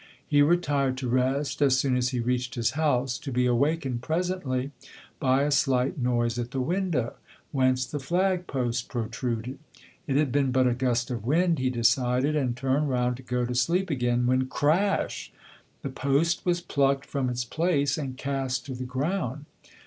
He retired to rest as soon as he reached his house, to be wakened presently by a slight noise at the window, whence the flag post protruded. It had been but a gust of wind, he decided, and turned round to go to sleep again, when crash! the post was plucked from its place and cast to the ground.